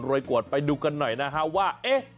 ร๒๐๑๗ไปดูกันหน่อยนะฮะว่า